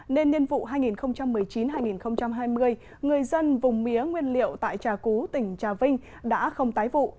nên nhiên vụ hai nghìn một mươi chín hai nghìn hai mươi người dân vùng mía nguyên liệu tại trà cú tỉnh trà vinh đã không tái vụ